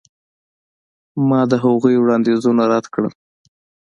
ما د هغوی وړاندیزونه رد کړل.